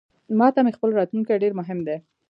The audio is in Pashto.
ماته مې خپل راتلونکې ډیرمهم دی